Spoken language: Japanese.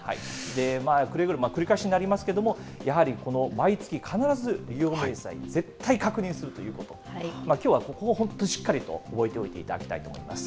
くれぐれも繰り返しになりますけれども、やはり、この毎月、必ず利用明細、絶対確認するということ、きょうはここを本当にしっかり覚えておいていただきたいと思います。